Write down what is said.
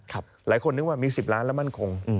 หลายคนนึกว่ามี๑๐ล้านและมั่นคง